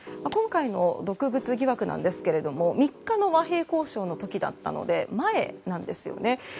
今回の毒物疑惑ですが３日の和平交渉の時だったので前なんですよね。